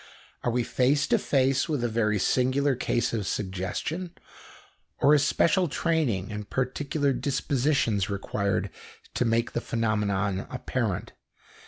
Are we face to face with a very singular case of suggestion, or is special training and particular dispositions required to make the phenomenon apparent?